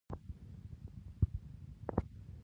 احمد شاه بابا اتل و